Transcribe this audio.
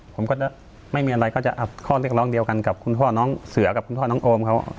ผมก็จะไม่มีอะไรก็จะอัดข้อเรียกร้องเดียวกันกับคุณพ่อน้องเสือกับคุณพ่อน้องโอมเขา